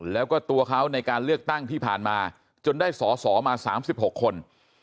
แล้วก็ตัวเขาในการเลือกตั้งที่ผ่านมาจนได้สอสอมา๓๖คน